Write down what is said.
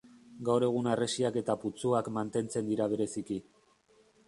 Gaur egun harresiak eta putzuak mantentzen dira bereziki.